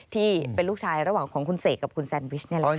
ที่เป็นลูกชายระหว่างของคุณเสกกับคุณแซนวิชนี่แหละ